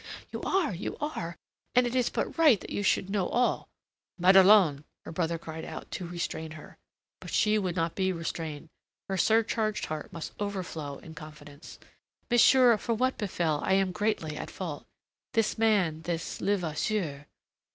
"You are, you are! And it is but right that you should know all." "Madelon!" her brother cried out, to restrain her. But she would not be restrained. Her surcharged heart must overflow in confidence. "Monsieur, for what befell I am greatly at fault. This man this Levasseur...."